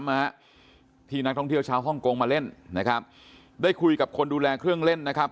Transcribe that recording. มาที่นักท่องเที่ยวเช้าฮ่องคงมาเล่นด้วยคุยกับคนดูแลเครื่องเล่นนะครับ